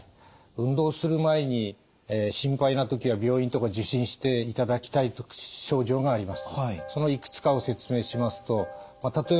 運動する前に心配な時は病院とか受診していただきたい症状があります。